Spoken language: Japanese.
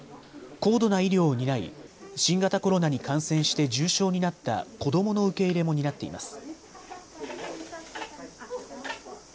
高度な医療を担い新型コロナに感染して重症になった子どもの受け入れも担っています。